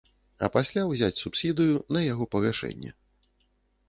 А пасля ўзяць субсідыю на яго пагашэнне.